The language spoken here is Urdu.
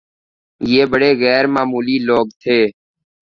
یہ بڑے غیرمعمولی لوگ تھے